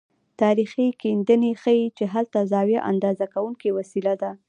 تاریخي کیندنې ښيي چې هلته زاویه اندازه کوونکې وسیله وه.